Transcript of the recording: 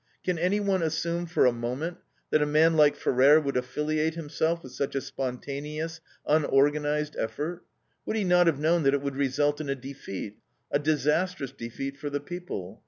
Can anyone assume for a moment that a man like Ferrer would affiliate himself with such a spontaneous, unorganized effort? Would he not have known that it would result in a defeat, a disastrous defeat for the people?